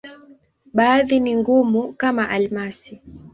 Baadhi ni ngumu, kama almasi.